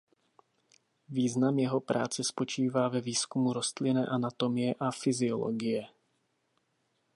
Význam jeho práce spočívá ve výzkumu rostlinné anatomie a fyziologie.